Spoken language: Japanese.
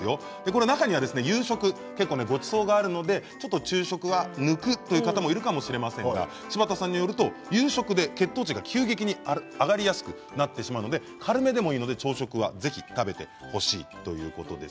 中には夕食ごちそうがあるので昼食は抜くという方もいらっしゃるかもしれませんが柴田さんによると夕食で血糖値が急激に上がりやすくなってしまうので軽めでもいいので昼食は食べてほしいということです。